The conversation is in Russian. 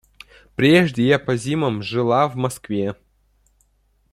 Прежде я по зимам жила в Москве...